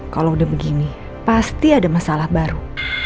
kalau udah begini pasti ada masalah baru